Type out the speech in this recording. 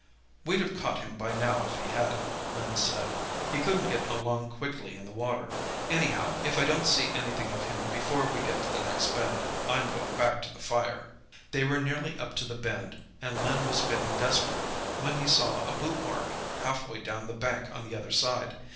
"'We'd have caught him by now if he had,' Len said—'he couldn't get along quickly in the water. Anyhow, if I don't see anything of him before we get to the next bend, I'm going back to the fire.' "They were nearly up to the bend, and Len was feeling desperate, when he saw a boot mark half way down the bank on the other side.